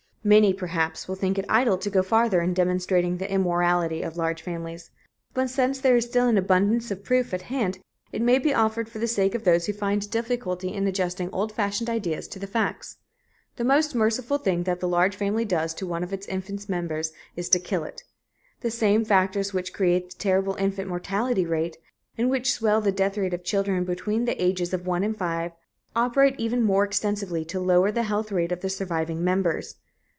Many, perhaps, will think it idle to go farther in demonstrating the immorality of large families, but since there is still an abundance of proof at hand, it may be offered for the sake of those who find difficulty in adjusting old fashioned ideas to the facts. The most merciful thing that the large family does to one of its infant members is to kill it. The same factors which create the terrible infant mortality rate, and which swell the death rate of children between the ages of one and five, operate even more extensively to lower the health rate of the surviving members.